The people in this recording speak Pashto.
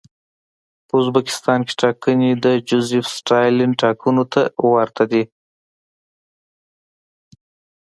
په ازبکستان کې ټاکنې د جوزېف ستالین ټاکنو ته ورته دي.